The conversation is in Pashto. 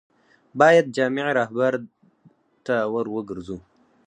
باید جامع رهبرد ته ور وګرځو.